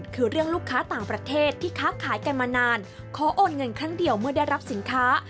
ค้าขายกันมานานขอโอนเงินครั้งเดียวเมื่อได้รับสินค้า